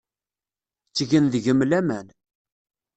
Ttgen deg-m laman.